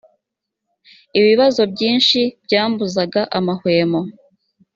ibibazo byinshi byambuzaga amahwemo